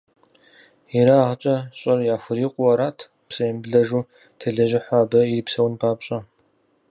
ЕрагъкӀэ щӏыр яхурикъуу арат, псэемыблэжу телэжьыхьурэ абы ирипсэун папщӀэ.